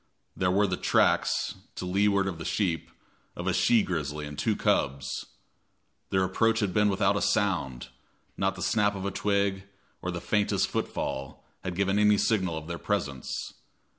There were the tracks, to leeward of the sheep, of a she grizzly and two cubs. Their approach had been without a sound; not the snap of a twig, or the faintest footfall, had given any signal of their presence.